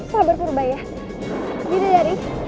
sabar purba ya